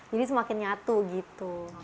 jadi semakin nyatu gitu